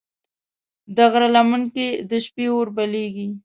د غره لمن کې د شپې اور بلېږي.